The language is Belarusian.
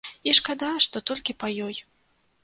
І шкада, што толькі па ёй.